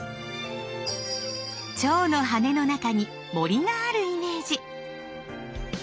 蝶の羽の中に森があるイメージ。